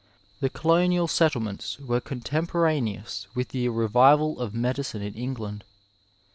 The cdonial settlements were contemporaneous with the revival of medicine in England.